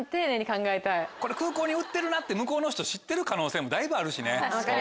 これ空港に売ってるなって向こうの人知ってる可能性もだいぶあるしね。